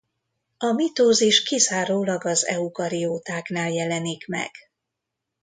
A mitózis kizárólag az eukariótáknál jelenik meg.